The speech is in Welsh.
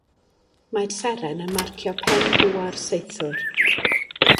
Mae'r seren yn marcio pen bwa'r Saethwr.